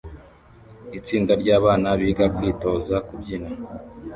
Itsinda ryabana biga kwitoza kubyina